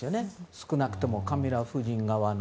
少なくともカミラ夫人側の。